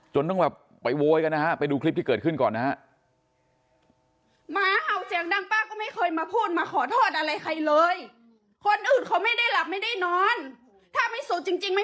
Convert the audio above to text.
ต้องแบบไปโวยกันนะฮะไปดูคลิปที่เกิดขึ้นก่อนนะฮะ